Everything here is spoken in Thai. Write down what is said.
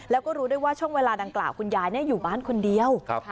แล้วก็รู้ได้ว่าช่วงเวลาดังกล่าวคุณยายอยู่บ้านคนเดียว